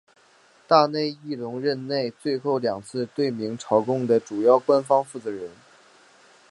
大内义隆任内最后两次对明朝贡的主要官方负责人。